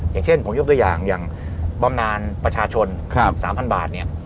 อย่างเช่นผมยกอย่างอบนานประชาชน๓๐๐๐บาท